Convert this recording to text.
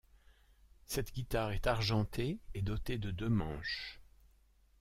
Cette guitare est argentée et dotée de deux manches.